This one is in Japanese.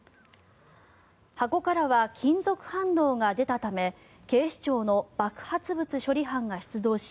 箱からは金属反応が出たため警視庁の爆発物処理班が出動し